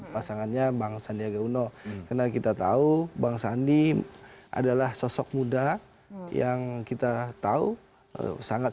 pasangannya bang sandiaga uno karena kita tahu bang sandi adalah sosok muda yang kita tahu sangat